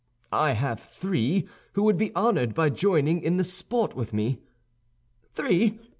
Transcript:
"I have three, who would be honored by joining in the sport with me." "Three?